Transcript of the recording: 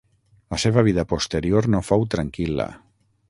La seva vida posterior no fou tranquil·la.